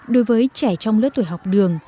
đối với trẻ trong lớp tuổi học đường